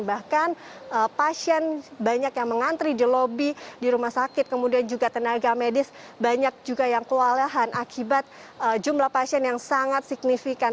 bahkan pasien banyak yang mengantri di lobi di rumah sakit kemudian juga tenaga medis banyak juga yang kewalahan akibat jumlah pasien yang sangat signifikan